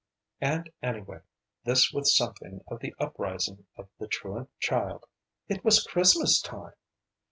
And anyway this with something of the uprising of the truant child it was Christmas time!